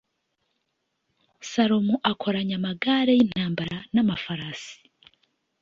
salomo akoranya amagare y'intambara n'amafarasi